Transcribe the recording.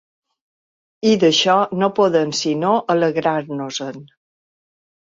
I d’això no podem sinó alegrar-nos-en.